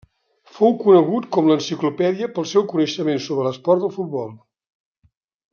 Fou conegut com l'enciclopèdia pel seu coneixement sobre l'esport del futbol.